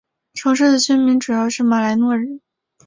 城市的居民主要是马来诺人。